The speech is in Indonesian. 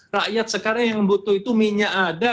rakyat sekarang yang butuh itu minyak ada